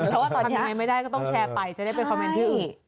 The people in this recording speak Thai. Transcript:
ถ้าไม่ได้ก็ต้องแชร์ไปจะได้ไปคอมเมนต์ที่อื่น